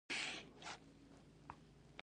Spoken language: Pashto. طالبانو او القاعده بې ګناه انسانان وژلي دي.